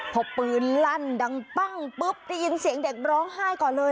พอปืนลั่นดังปั้งปุ๊บได้ยินเสียงเด็กร้องไห้ก่อนเลย